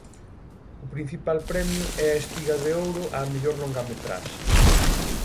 O principal premio é a Espiga de Ouro á mellor longametraxe.